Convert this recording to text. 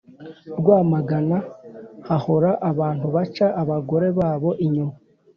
rwamagana hahora abantu baca abagore babo inyuma